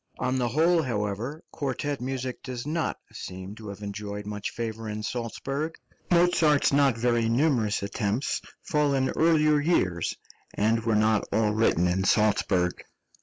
On the whole, however, quartet music does not seem to have enjoyed much favour in Salzburg; Mozart's {INSTRUMENTAL MUSIC.} (310) not very numerous attempts fall in earlier years, and were not all written in Salzburg.